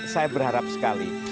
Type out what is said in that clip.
saya berharap sekali